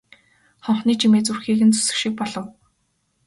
Хонхны чимээ зүрхийг нь зүсэх шиг болов.